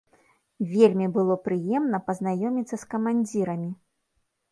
Вельмі было прыемна пазнаёміцца з камандзірамі.